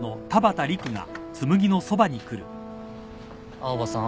青羽さん。